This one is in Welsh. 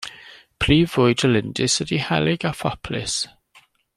Prif fwyd y lindys ydy helyg a phoplys.